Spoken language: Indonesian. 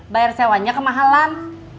bayar sewanya kemahalan